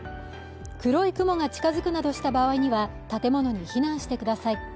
黒い雲が近づくなどした場合には建物に避難してください